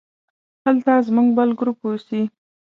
هلته زموږ بل ګروپ اوسي.